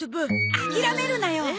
諦めるなよ！